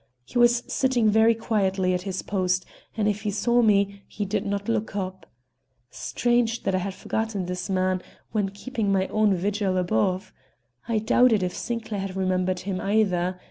He was sitting very quietly at his post, and if he saw me he did not look up. Strange that I had forgotten this man when keeping my own vigil above. I doubted if Sinclair had remembered him either.